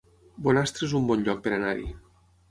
Bonastre es un bon lloc per anar-hi